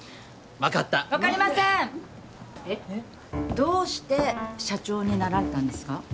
どうして社長になられたんですか？